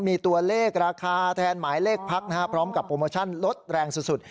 มีตัวเลขราคาแทนหมายเลขพักพร้อมกับโปรโมชั่นลดแรงสุด